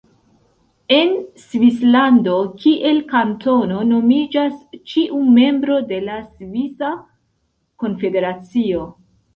En Svislando kiel kantono nomiĝas ĉiu membro de la Svisa Konfederacio.